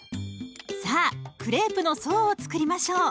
さあクレープの層を作りましょう。